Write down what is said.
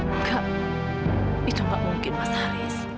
enggak itu mbak mungkin mas haris